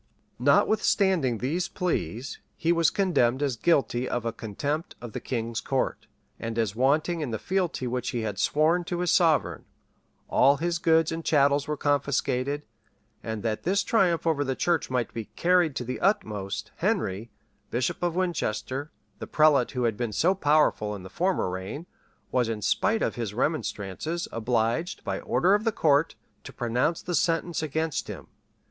Notwithstanding these pleas, he was condemned as guilty of a contempt of the king's court, and as wanting in the fealty which he had sworn to his sovereign; all his goods and chattels were confiscated; and that this triumph over the church might be carried to the utmost, Henry, bishop of Winchester, the prelate who had been so powerful in the former reign, was in spite of his remonstrances, obliged, by order of the court, to pronounce the sentence against him.